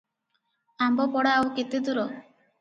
ଆମ୍ବପଡା ଆଉ କେତେ ଦୂର?